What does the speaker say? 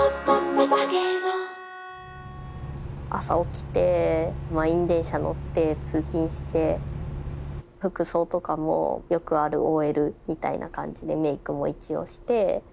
朝起きて満員電車乗って通勤して服装とかもよくあるＯＬみたいな感じでメークも一応して。